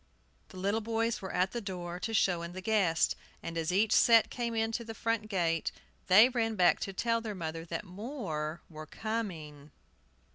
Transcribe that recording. The little boys were at the door, to show in the guests, and as each set came to the front gate, they ran back to tell their mother that more were coming.